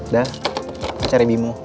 dah pacarnya bimo